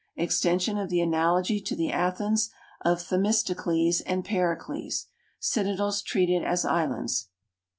Extension of the analogy to the Athens of Themistocles and Pericles. Citadels treated as islands.